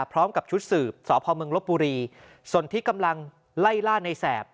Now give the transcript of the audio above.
พร้อมกับชุดสืบสพเมืองลบบุรีส่วนที่กำลังไล่ล่าในแสบ